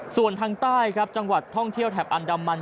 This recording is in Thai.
ส่วนทางใต้ครับจังหวัดท่องเที่ยวแถบอันดามัน